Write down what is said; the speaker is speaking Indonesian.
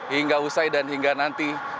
hingga usai dan hingga nanti